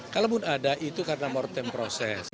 kalaupun ada itu karena mortem proses